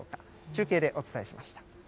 中継でお伝えしました。